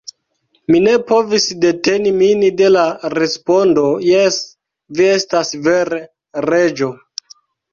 Mi ne povis deteni min de la respondo: "Jes, vi estas vere Reĝo."